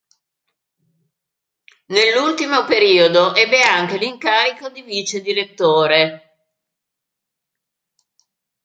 Nell'ultimo periodo ebbe anche l'incarico di Vice direttore.